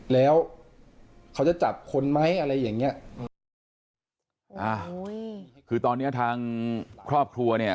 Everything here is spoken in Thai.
แล้วเขาจะจับคนไหมอะไรอย่างเงี้ยอ่าคือตอนเนี้ยทางครอบครัวเนี่ย